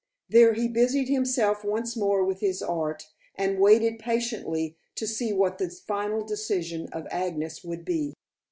There he busied himself once more with his art, and waited patiently to see what the final decision of Agnes would be.